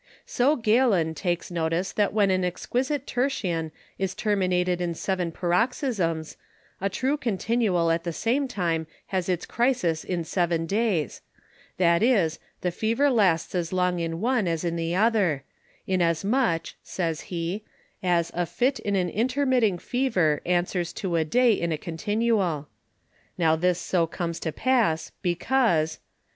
So Galen takes notice that when an Exquisite Tertian is terminated in seven Paroxysms, a true Continual at the same time has its Crisis in seven days; that is, the Fever lasts as long in one as in the other, in as much (says he) as a Fit in an Intermitting Feaver answers to a day in a Continual. Now this so comes to pass, because 2.